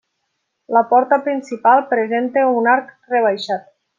La porta principal presenta un arc rebaixat.